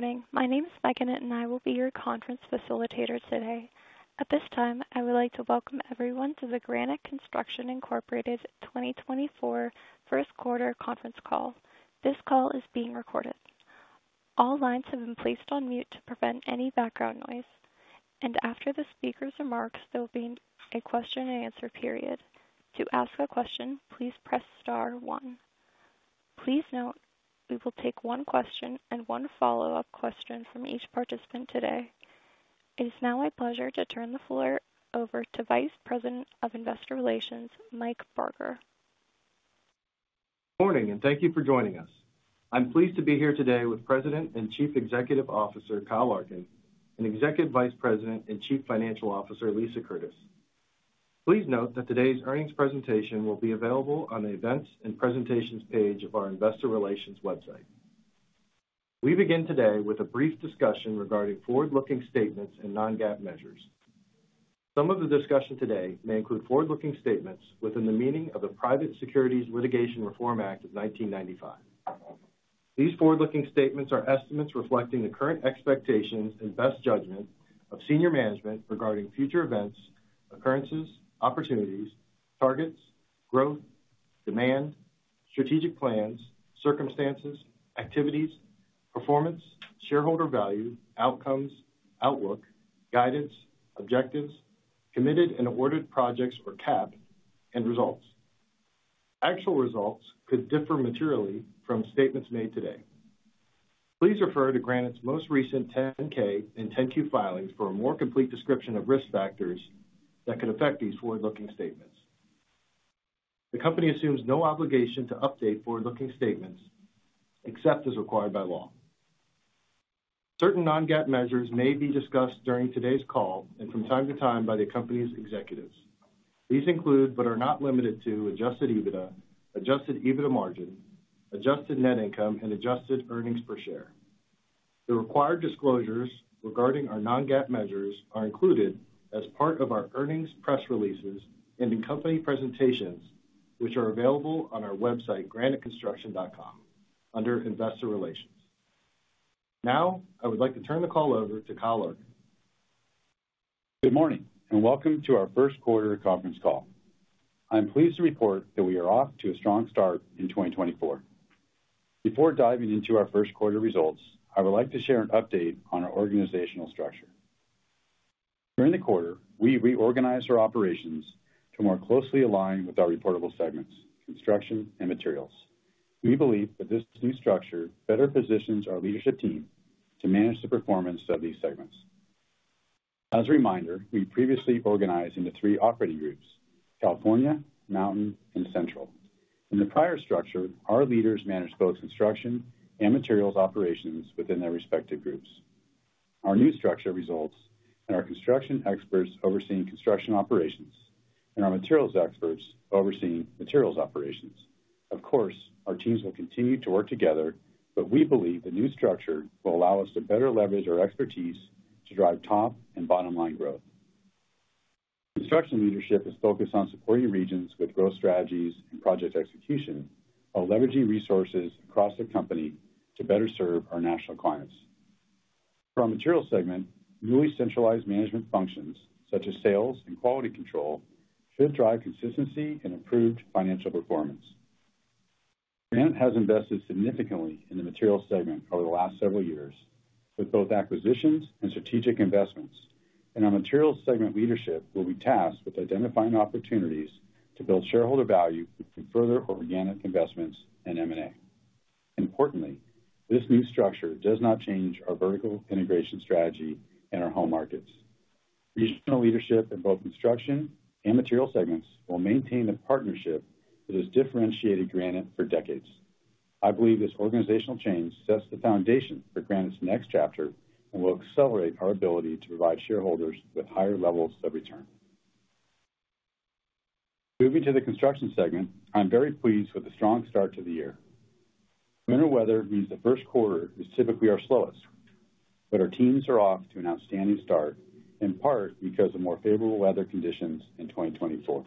Good morning. My name is Meganett, and I will be your conference facilitator today. At this time, I would like to welcome everyone to the Granite Construction Incorporated 2024 first quarter conference call. This call is being recorded. All lines have been placed on mute to prevent any background noise. After the speaker's remarks, there will be a question-and-answer period. To ask a question, please press star one. Please note, we will take one question and one follow-up question from each participant today. It is now my pleasure to turn the floor over to Vice President of Investor Relations, Mike Barker. Good morning, and thank you for joining us. I'm pleased to be here today with President and Chief Executive Officer Kyle Larkin and Executive Vice President and Chief Financial Officer Lisa Curtis. Please note that today's earnings presentation will be available on the Events and Presentations page of our Investor Relations website. We begin today with a brief discussion regarding forward-looking statements and non-GAAP measures. Some of the discussion today may include forward-looking statements within the meaning of the Private Securities Litigation Reform Act of 1995. These forward-looking statements are estimates reflecting the current expectations and best judgment of senior management regarding future events, occurrences, opportunities, targets, growth, demand, strategic plans, circumstances, activities, performance, shareholder value, outcomes, outlook, guidance, objectives, committed and awarded projects or CAP, and results. Actual results could differ materially from statements made today. Please refer to Granite's most recent 10-K and 10-Q filings for a more complete description of risk factors that could affect these forward-looking statements. The company assumes no obligation to update forward-looking statements except as required by law. Certain non-GAAP measures may be discussed during today's call and from time to time by the company's executives. These include but are not limited to Adjusted EBITDA, Adjusted EBITDA margin, adjusted net income, and adjusted earnings per share. The required disclosures regarding our non-GAAP measures are included as part of our earnings press releases and in-company presentations, which are available on our website graniteconstruction.com under Investor Relations. Now, I would like to turn the call over to Kyle Larkin. Good morning and welcome to our first quarter conference call. I'm pleased to report that we are off to a strong start in 2024. Before diving into our first quarter results, I would like to share an update on our organizational structure. During the quarter, we reorganized our operations to more closely align with our reportable segments, construction and materials. We believe that this new structure better positions our leadership team to manage the performance of these segments. As a reminder, we previously organized into three operating groups: California, Mountain, and Central. In the prior structure, our leaders managed both construction and materials operations within their respective groups. Our new structure results in our construction experts overseeing construction operations and our materials experts overseeing materials operations. Of course, our teams will continue to work together, but we believe the new structure will allow us to better leverage our expertise to drive top and bottom-line growth. Construction leadership is focused on supporting regions with growth strategies and project execution while leveraging resources across the company to better serve our national clients. For our materials segment, newly centralized management functions such as sales and quality control should drive consistency and improved financial performance. Granite has invested significantly in the materials segment over the last several years with both acquisitions and strategic investments, and our materials segment leadership will be tasked with identifying opportunities to build shareholder value through further organic investments and M&A. Importantly, this new structure does not change our vertical integration strategy in our home markets. Regional leadership in both construction and materials segments will maintain the partnership that has differentiated Granite for decades. I believe this organizational change sets the foundation for Granite's next chapter and will accelerate our ability to provide shareholders with higher levels of return. Moving to the construction segment, I'm very pleased with the strong start to the year. Winter weather means the first quarter is typically our slowest, but our teams are off to an outstanding start, in part because of more favorable weather conditions in 2024.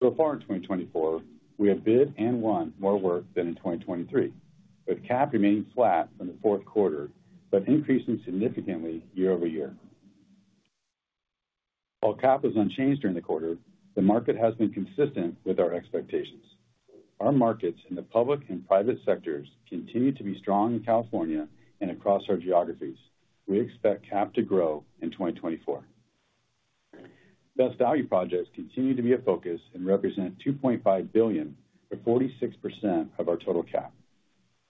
So far in 2024, we have bid and won more work than in 2023, with CAP remaining flat from the fourth quarter but increasing significantly year-over-year. While CAP was unchanged during the quarter, the market has been consistent with our expectations. Our markets in the public and private sectors continue to be strong in California and across our geographies. We expect CAP to grow in 2024. Best Value projects continue to be a focus and represent $2.5 billion or 46% of our total CAP.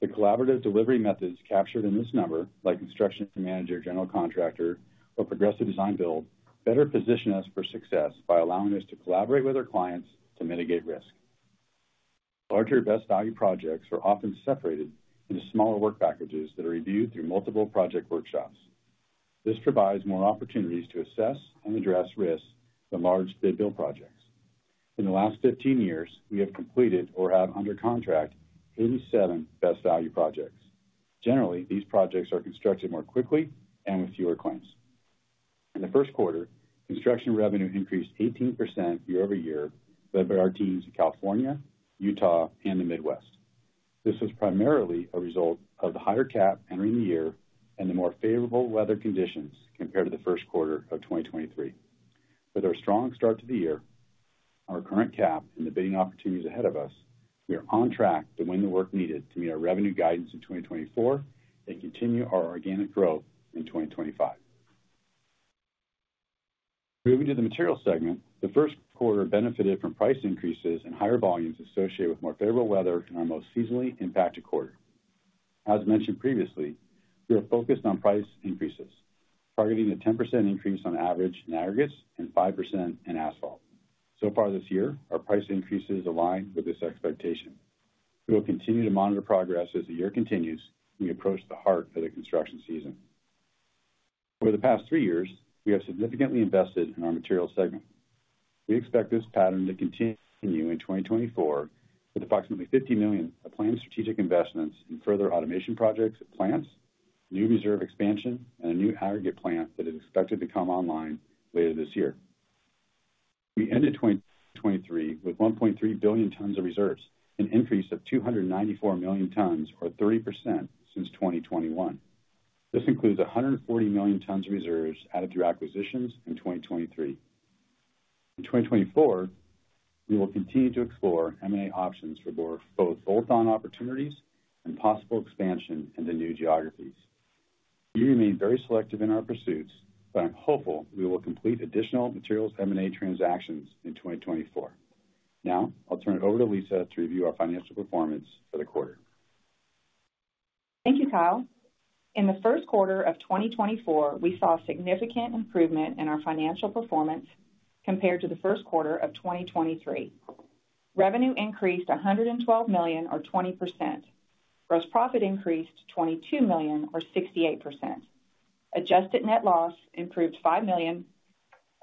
The collaborative delivery methods captured in this number, like Construction Manager/General Contractor or Progressive Design-Build, better position us for success by allowing us to collaborate with our clients to mitigate risk. Larger Best Value projects are often separated into smaller work packages that are reviewed through multiple project workshops. This provides more opportunities to assess and address risks than large Bid-Build projects. In the last 15 years, we have completed or have under contract 87 Best Value projects. Generally, these projects are constructed more quickly and with fewer claims. In the first quarter, construction revenue increased 18% year-over-year led by our teams in California, Utah, and the Midwest. This was primarily a result of the higher CAP entering the year and the more favorable weather conditions compared to the first quarter of 2023. With our strong start to the year, our current CAP, and the bidding opportunities ahead of us, we are on track to win the work needed to meet our revenue guidance in 2024 and continue our organic growth in 2025. Moving to the materials segment, the first quarter benefited from price increases and higher volumes associated with more favorable weather in our most seasonally impacted quarter. As mentioned previously, we are focused on price increases, targeting a 10% increase on average in aggregates and 5% in asphalt. So far this year, our price increases align with this expectation. We will continue to monitor progress as the year continues as we approach the heart of the construction season. Over the past three years, we have significantly invested in our materials segment. We expect this pattern to continue in 2024 with approximately $50 million of planned strategic investments in further automation projects at plants, new reserve expansion, and a new aggregate plant that is expected to come online later this year. We ended 2023 with 1.3 billion tons of reserves, an increase of 294 million tons or 30% since 2021. This includes 140 million tons of reserves added through acquisitions in 2023. In 2024, we will continue to explore M&A options for both bolt-on opportunities and possible expansion into new geographies. We remain very selective in our pursuits, but I'm hopeful we will complete additional materials M&A transactions in 2024. Now, I'll turn it over to Lisa to review our financial performance for the quarter. Thank you, Kyle. In the first quarter of 2024, we saw significant improvement in our financial performance compared to the first quarter of 2023. Revenue increased $112 million or 20%. Gross profit increased $22 million or 68%. Adjusted net loss improved $5 million.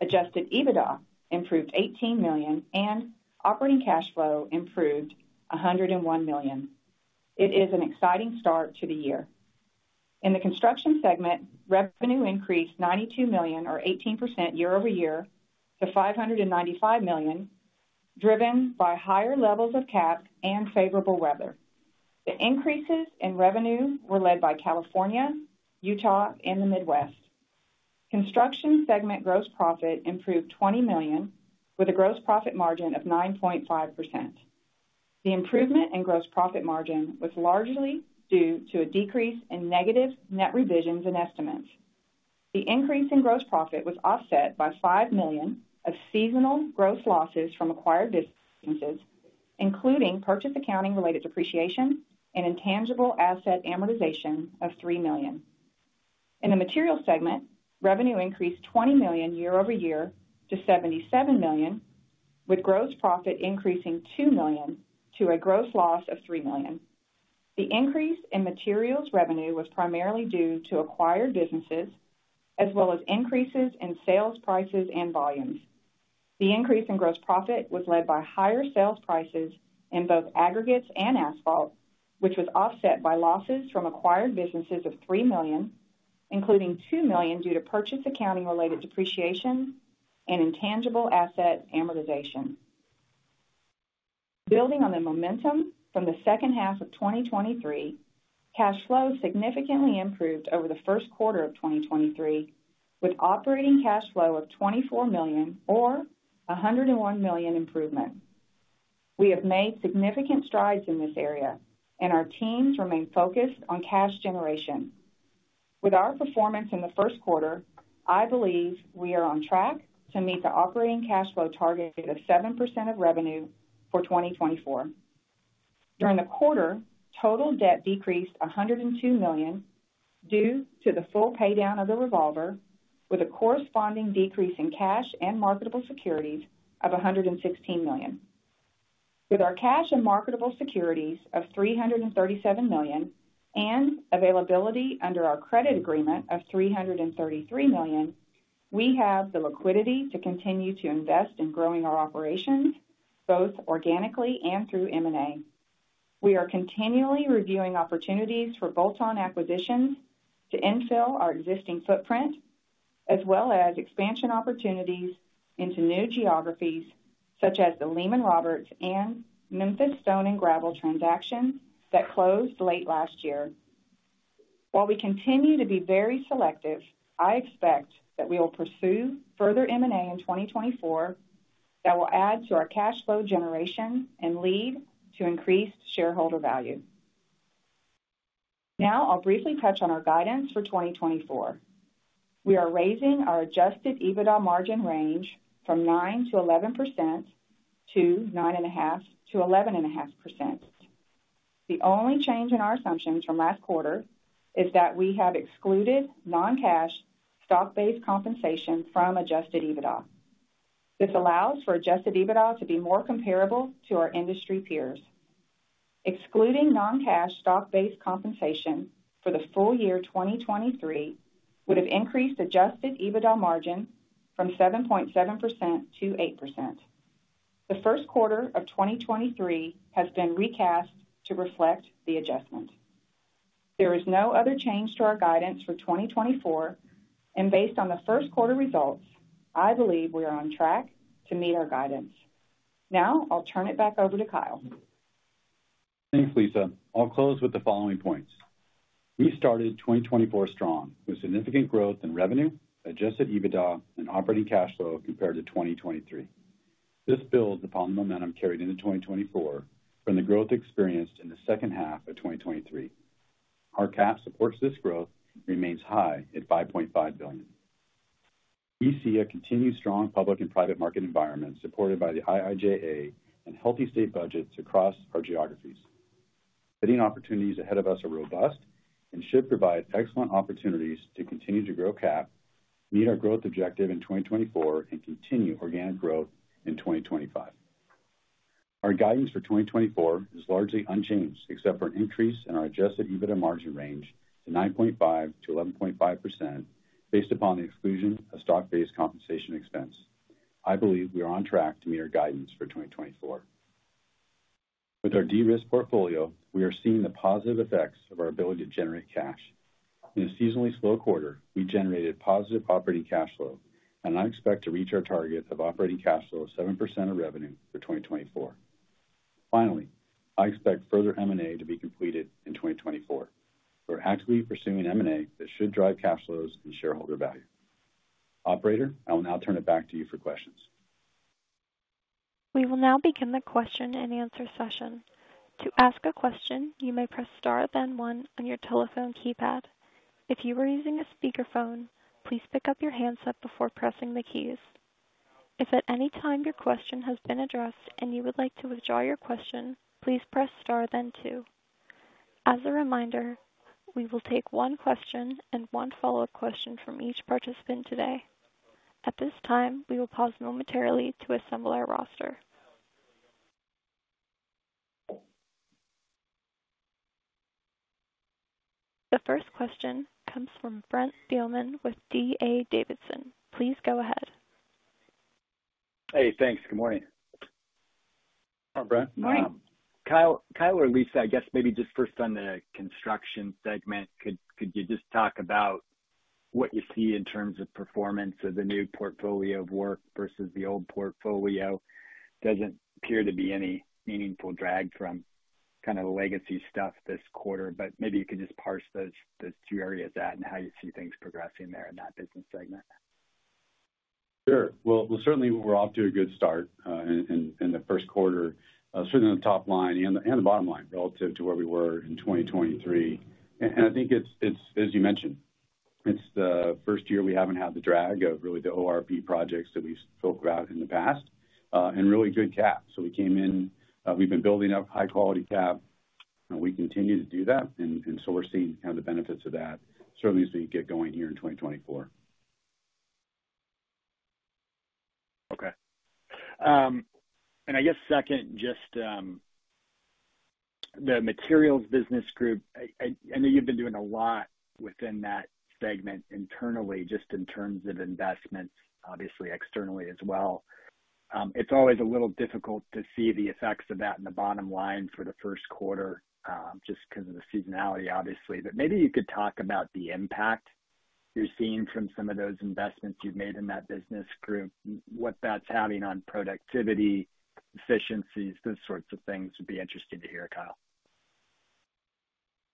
Adjusted EBITDA improved $18 million, and operating cash flow improved $101 million. It is an exciting start to the year. In the construction segment, revenue increased $92 million or 18% year-over-year to $595 million, driven by higher levels of CAP and favorable weather. The increases in revenue were led by California, Utah, and the Midwest. Construction segment gross profit improved $20 million with a gross profit margin of 9.5%. The improvement in gross profit margin was largely due to a decrease in negative net revisions and estimates. The increase in gross profit was offset by $5 million of seasonal gross losses from acquired businesses, including purchase accounting-related depreciation and intangible asset amortization of $3 million. In the materials segment, revenue increased $20 million year-over-year to $77 million, with gross profit increasing $2 million to a gross loss of $3 million. The increase in materials revenue was primarily due to acquired businesses as well as increases in sales prices and volumes. The increase in gross profit was led by higher sales prices in both aggregates and asphalt, which was offset by losses from acquired businesses of $3 million, including $2 million due to purchase accounting-related depreciation and intangible asset amortization. Building on the momentum from the second half of 2023, cash flow significantly improved over the first quarter of 2023 with operating cash flow of $24 million or $101 million improvement. We have made significant strides in this area, and our teams remain focused on cash generation. With our performance in the first quarter, I believe we are on track to meet the operating cash flow target of 7% of revenue for 2024. During the quarter, total debt decreased $102 million due to the full paydown of the revolver, with a corresponding decrease in cash and marketable securities of $116 million. With our cash and marketable securities of $337 million and availability under our credit agreement of $333 million, we have the liquidity to continue to invest in growing our operations, both organically and through M&A. We are continually reviewing opportunities for bolt-on acquisitions to infill our existing footprint, as well as expansion opportunities into new geographies such as the Lehman-Roberts and Memphis Stone & Gravel transactions that closed late last year. While we continue to be very selective, I expect that we will pursue further M&A in 2024 that will add to our cash flow generation and lead to increased shareholder value. Now, I'll briefly touch on our guidance for 2024. We are raising our Adjusted EBITDA margin range from 9%-11% to 9.5%-11.5%. The only change in our assumptions from last quarter is that we have excluded non-cash stock-based compensation from Adjusted EBITDA. This allows for Adjusted EBITDA to be more comparable to our industry peers. Excluding non-cash stock-based compensation for the full year 2023 would have increased Adjusted EBITDA margin from 7.7% to 8%. The first quarter of 2023 has been recast to reflect the adjustment. There is no other change to our guidance for 2024, and based on the first quarter results, I believe we are on track to meet our guidance. Now, I'll turn it back over to Kyle. Thanks, Lisa. I'll close with the following points. We started 2024 strong with significant growth in revenue, Adjusted EBITDA, and operating cash flow compared to 2023. This builds upon the momentum carried into 2024 from the growth experienced in the second half of 2023. Our CAP supports this growth and remains high at $5.5 billion. We see a continued strong public and private market environment supported by the IIJA and healthy state budgets across our geographies. Bidding opportunities ahead of us are robust and should provide excellent opportunities to continue to grow CAP, meet our growth objective in 2024, and continue organic growth in 2025. Our guidance for 2024 is largely unchanged except for an increase in our Adjusted EBITDA margin range to 9.5%-11.5% based upon the exclusion of stock-based compensation expense. I believe we are on track to meet our guidance for 2024. With our de-risk portfolio, we are seeing the positive effects of our ability to generate cash. In a seasonally slow quarter, we generated positive operating cash flow, and I expect to reach our target of operating cash flow of 7% of revenue for 2024. Finally, I expect further M&A to be completed in 2024. We're actively pursuing M&A that should drive cash flows and shareholder value. Operator, I will now turn it back to you for questions. We will now begin the question-and-answer session. To ask a question, you may press star then one on your telephone keypad. If you are using a speakerphone, please pick up your handset before pressing the keys. If at any time your question has been addressed and you would like to withdraw your question, please press star then two. As a reminder, we will take one question and one follow-up question from each participant today. At this time, we will pause momentarily to assemble our roster. The first question comes from Brent Thielman with DA Davidson. Please go ahead. Hey, thanks. Good morning. Morning. Kyle or Lisa, I guess maybe just first on the construction segment, could you just talk about what you see in terms of performance of the new portfolio of work versus the old portfolio? Doesn't appear to be any meaningful drag from kind of the legacy stuff this quarter, but maybe you could just parse those two areas and how you see things progressing there in that business segment. Sure. Well, certainly, we're off to a good start in the first quarter, certainly on the top line and the bottom line relative to where we were in 2023. And I think it's, as you mentioned, it's the first year we haven't had the drag of really the ORP projects that we've spoke about in the past and really good CAP. So we came in, we've been building up high-quality CAP, and we continue to do that. And so we're seeing kind of the benefits of that, certainly as we get going here in 2024. Okay. And I guess second, just the materials business group, I know you've been doing a lot within that segment internally, just in terms of investments, obviously externally as well. It's always a little difficult to see the effects of that in the bottom line for the first quarter just because of the seasonality, obviously. But maybe you could talk about the impact you're seeing from some of those investments you've made in that business group, what that's having on productivity, efficiencies, those sorts of things would be interesting to hear, Kyle.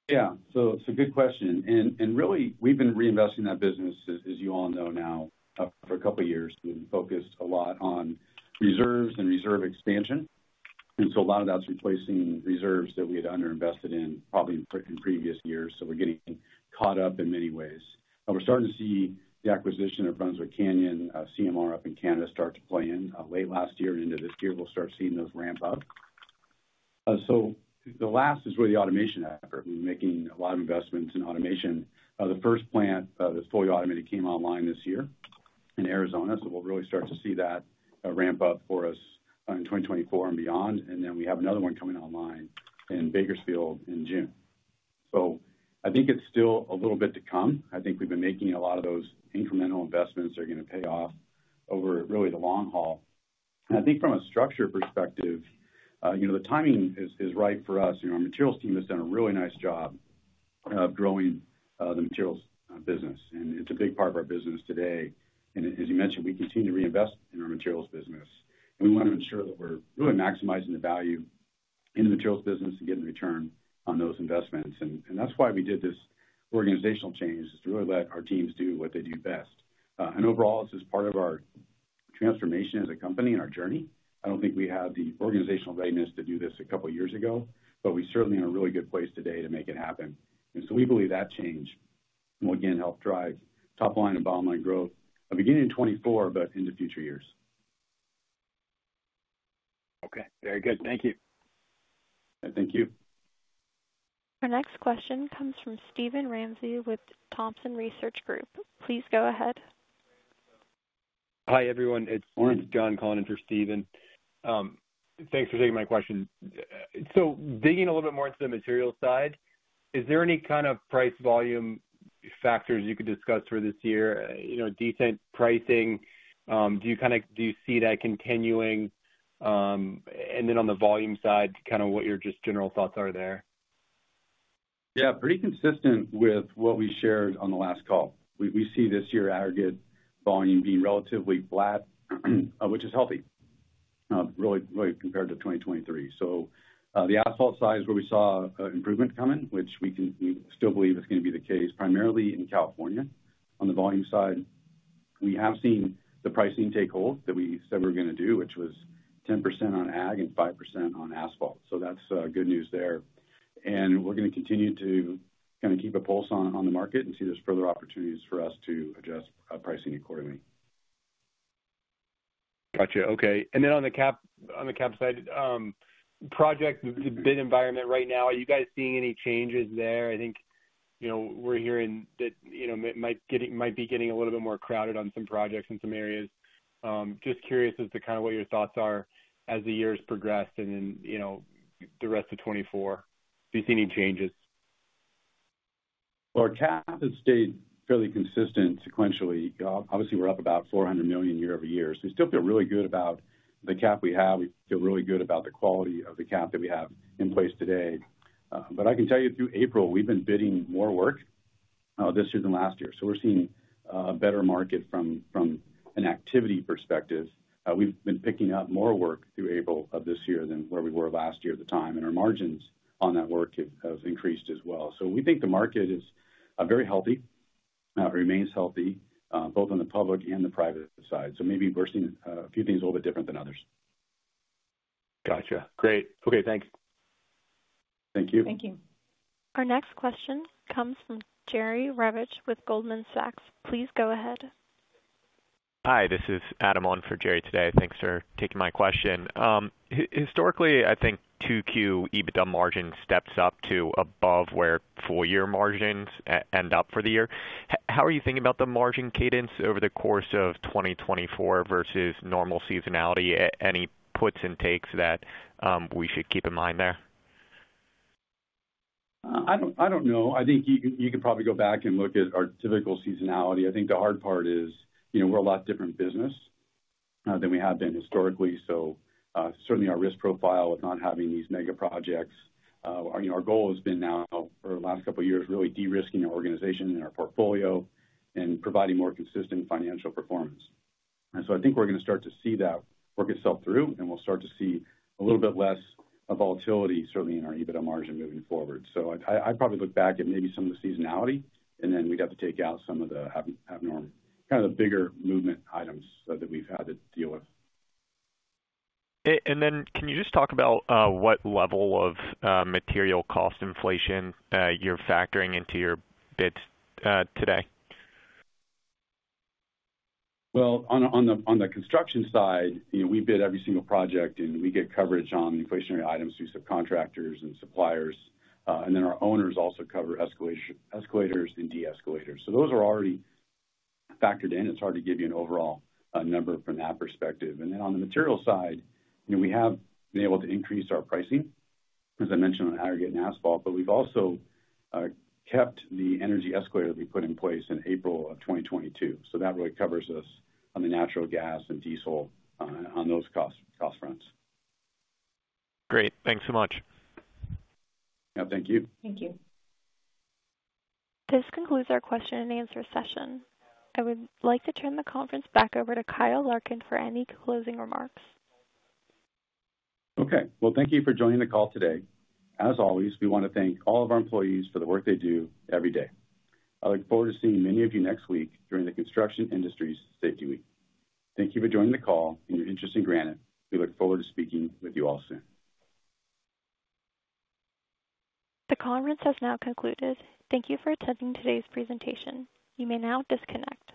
Yeah. So good question. Really, we've been reinvesting that business, as you all know now, for a couple of years. We've been focused a lot on reserves and reserve expansion. So a lot of that's replacing reserves that we had underinvested in probably in previous years. So we're getting caught up in many ways. We're starting to see the acquisition of Brunswick Canyon, CMR up in Canada start to play in. Late last year and into this year, we'll start seeing those ramp up. So the last is really the automation effort. We're making a lot of investments in automation. The first plant that's fully automated came online this year in Arizona. So we'll really start to see that ramp up for us in 2024 and beyond. And then we have another one coming online in Bakersfield in June. I think it's still a little bit to come. I think we've been making a lot of those incremental investments that are going to pay off over really the long haul. I think from a structure perspective, the timing is right for us. Our materials team has done a really nice job of growing the materials business. It's a big part of our business today. As you mentioned, we continue to reinvest in our materials business. We want to ensure that we're really maximizing the value in the materials business and getting return on those investments. That's why we did this organizational change, is to really let our teams do what they do best. Overall, this is part of our transformation as a company and our journey. I don't think we had the organizational readiness to do this a couple of years ago, but we're certainly in a really good place today to make it happen. And so we believe that change will, again, help drive top line and bottom line growth beginning in 2024 but into future years. Okay. Very good. Thank you. Thank you. Our next question comes from Stephen Ramsey with Thompson Research Group. Please go ahead. Hi, everyone. It's Lawrence John calling in for Stephen. Thanks for taking my question. So, digging a little bit more into the materials side, is there any kind of price-volume factors you could discuss for this year? Decent pricing, do you kind of see that continuing? And then on the volume side, kind of what your just general thoughts are there. Yeah, pretty consistent with what we shared on the last call. We see this year aggregate volume being relatively flat, which is healthy, really compared to 2023. So the asphalt side is where we saw improvement coming, which we still believe is going to be the case, primarily in California. On the volume side, we have seen the pricing take hold that we said we were going to do, which was 10% on agg and 5% on asphalt. So that's good news there. And we're going to continue to kind of keep a pulse on the market and see there's further opportunities for us to adjust pricing accordingly. Gotcha. Okay. And then on the CAP side, project bid environment right now, are you guys seeing any changes there? I think we're hearing that it might be getting a little bit more crowded on some projects in some areas. Just curious as to kind of what your thoughts are as the years progress and then the rest of 2024. Do you see any changes? Well, CAP has stayed fairly consistent sequentially. Obviously, we're up about $400 million year-over-year. So we still feel really good about the CAP we have. We feel really good about the quality of the CAP that we have in place today. But I can tell you through April, we've been bidding more work this year than last year. So we're seeing a better market from an activity perspective. We've been picking up more work through April of this year than where we were last year at the time. And our margins on that work have increased as well. So we think the market is very healthy. It remains healthy both on the public and the private side. So maybe we're seeing a few things a little bit different than others. Gotcha. Great. Okay. Thanks. Thank you. Thank you. Our next question comes from Jerry Revich with Goldman Sachs. Please go ahead. Hi. This is Adam on for Jerry today. Thanks for taking my question. Historically, I think 2Q EBITDA margin steps up to above where full-year margins end up for the year. How are you thinking about the margin cadence over the course of 2024 versus normal seasonality? Any puts and takes that we should keep in mind there? I don't know. I think you could probably go back and look at our typical seasonality. I think the hard part is we're a lot different business than we have been historically. So certainly, our risk profile with not having these mega projects, our goal has been now for the last couple of years really de-risking our organization and our portfolio and providing more consistent financial performance. And so I think we're going to start to see that work itself through, and we'll start to see a little bit less of volatility, certainly in our EBITDA margin moving forward. So I'd probably look back at maybe some of the seasonality, and then we'd have to take out some of the abnormal kind of the bigger movement items that we've had to deal with. And then can you just talk about what level of material cost inflation you're factoring into your bids today? Well, on the construction side, we bid every single project, and we get coverage on inflationary items through subcontractors and suppliers. Then our owners also cover escalators and de-escalators. So those are already factored in. It's hard to give you an overall number from that perspective. Then on the material side, we have been able to increase our pricing, as I mentioned, on aggregate and asphalt, but we've also kept the energy escalator that we put in place in April of 2022. So that really covers us on the natural gas and diesel on those cost fronts. Great. Thanks so much. Yeah. Thank you. Thank you. This concludes our question-and-answer session. I would like to turn the conference back over to Kyle Larkin for any closing remarks. Okay. Well, thank you for joining the call today. As always, we want to thank all of our employees for the work they do every day. I look forward to seeing many of you next week during the Construction Industries Safety Week. Thank you for joining the call and your interest in Granite. We look forward to speaking with you all soon. The conference has now concluded. Thank you for attending today's presentation. You may now disconnect.